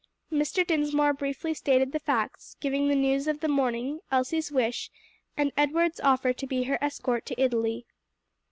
Mr. Dinsmore briefly stated the facts, giving the news of the morning, Elsie's wish, and Edward's offer to be her escort to Italy.